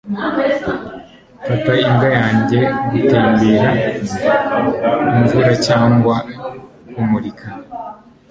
Mfata imbwa yanjye gutembera, imvura cyangwa kumurika.